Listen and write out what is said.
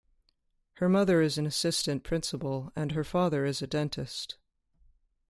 Her mother is an assistant principal and her father is a dentist.